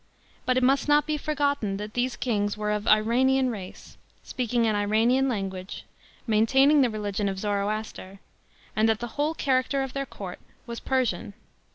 But it must not be forgotten that these kings were of Iranian race, speak ing an Iranian language, maintaining the religion of Zoroaster, and that the whole character of their court was Persian.